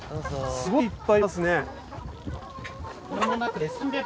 すごいいっぱいいますね。